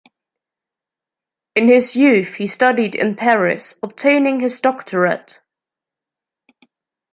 In his youth he studied in Paris, obtaining his doctorate.